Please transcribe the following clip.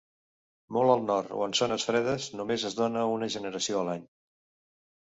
Molt al nord o en zones fredes només es dóna una generació a l'any.